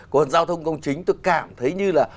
còn giao thông công chính tôi cảm thấy như là